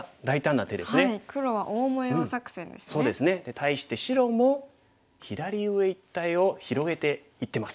対して白も左上一帯を広げていってます。